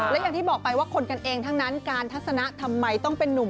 และอย่างที่บอกไปว่าคนกันเองทั้งนั้นการทัศนะทำไมต้องเป็นนุ่ม